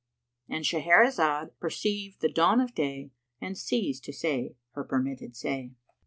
—And Shahrazad perceived the dawn of day and ceased to say her permitted say.